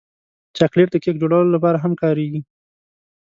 چاکلېټ د کیک جوړولو لپاره هم کارېږي.